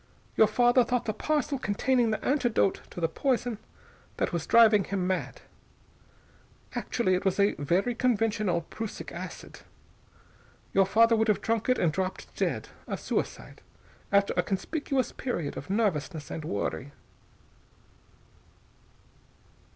Your father thought the parcel contained the antidote to the poison that was driving him mad. Actually, it was very conventional prussic acid. Your father would have drunk it and dropped dead, a suicide, after a conspicuous period of nervousness and worry."